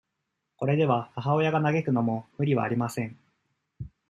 これでは、母親が嘆くのも、無理はありません。